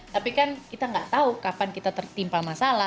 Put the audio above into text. tapi kan kita nggak tahu kapan kita tertimpa masalah